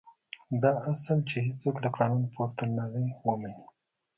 دا اصل چې هېڅوک له قانونه پورته نه دی ومني.